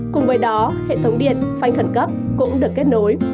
cùng với đó hệ thống điện phanh khẩn cấp cũng được kết nối